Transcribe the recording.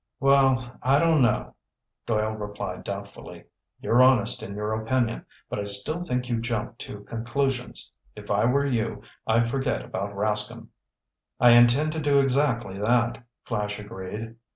"Well, I don't know," Doyle replied doubtfully. "You're honest in your opinion, but I still think you jumped to conclusions. If I were you, I'd forget about Rascomb." "I intend to do exactly that," Flash agreed.